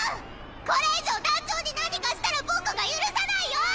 これ以上団長に何かしたら僕が許さないよ！